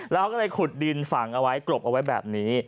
แล้วเขาก็เลยขุดดินฝังเอาไว้กรบเอาไว้แบบนี้